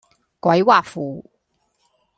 鬼畫符